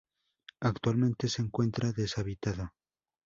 Actualmente se encuentra deshabitado.